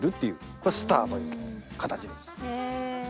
これスターという形です。